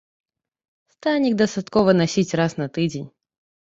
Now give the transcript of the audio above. Станік дастаткова насіць раз на тыдзень.